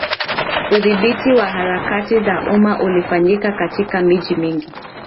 Udhibiti wa harakati za umma ulifanyika katika miji mingi